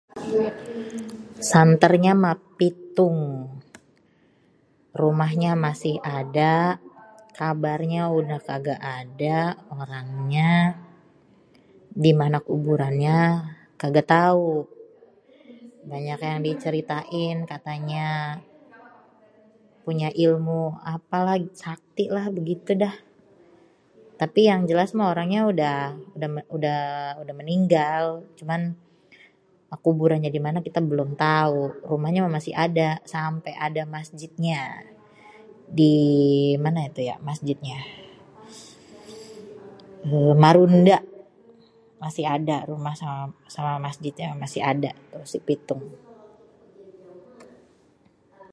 Santernya mah Pitung. Rumahnya masih ada, kabarnya udah kaga ada, orangnya, dimana kuburannya kaga tau. Banyak yang diceritain katanya punya ilmu, apalah sakti dah, begitu dah, tapi yang jelas orangnya mah udah meninggal cuman kuburannya d imana kita belom tau. Rumahnya mah masih ada sampe ada masjidnya dimana itu ya masjid eee di Marunda, masih ada rumah sama masjidnya masih ada Si Pitung.